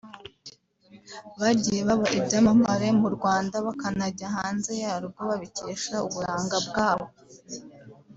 bagiye baba ibyamamare mu Rwanda bakanajya hanze yarwo babikesha uburanga bwabo